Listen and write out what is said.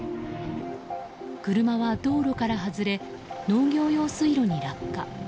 車は道路から外れ農業用水路に落下。